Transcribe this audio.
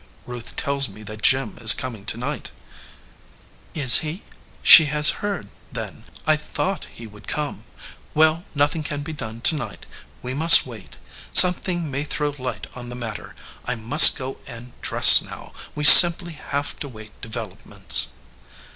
"Ruth tells me that Jim is coming to night." "Is he? She has heard, then. I thought he would come. Well, nothing can be done to night. We must wait. Something may throw light on the matter. I must go and dress now. We simply have to wait developments."